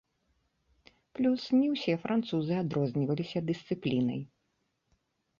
Плюс, не ўсе французы адрозніваліся дысцыплінай.